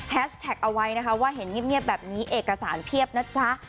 แท็กเอาไว้นะคะว่าเห็นเงียบแบบนี้เอกสารเพียบนะจ๊ะ